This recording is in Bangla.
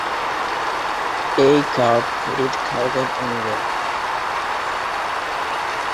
এই কার্ড ক্রেডিট কার্ডের অনুরূপ।